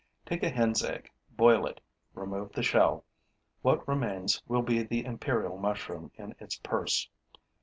Take a hen's egg, boil it, remove the shell: what remains will be the imperial mushroom in its purse.